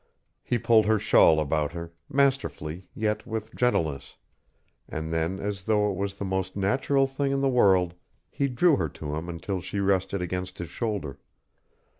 He pulled her shawl about her, masterfully yet with gentleness, and then, as though it was the most natural thing in the world, he drew her to him until she rested against his shoulder.